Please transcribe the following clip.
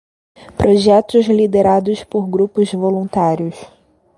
Projetos liderados por grupos de voluntários.